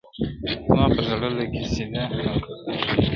زما پر زړه لګي سیده او که کاږه وي,